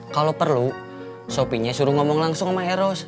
kalau perlu sopinya suruh ngomong langsung sama eros